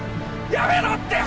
やめろって！